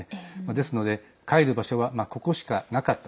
ですので帰る場所は、ここしかなかった